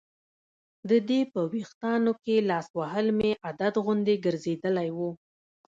د دې په ویښتانو کې لاس وهل مې عادت غوندې ګرځېدلی و.